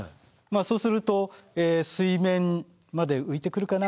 そうすると水面まで浮いてくるかな。